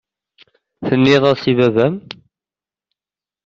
Tenniḍ-as i baba-m?